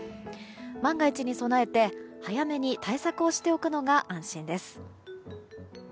万が一に備えて、早めに対策をしておくのが安心です。